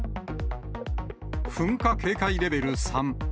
噴火警戒レベル３。